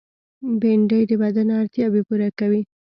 بېنډۍ د بدن اړتیاوې پوره کوي